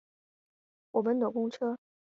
我们等公车